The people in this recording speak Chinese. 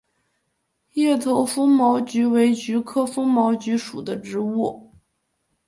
叶头风毛菊为菊科风毛菊属的植物。